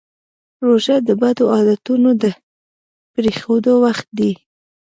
روژه د بدو عادتونو د پرېښودو وخت دی.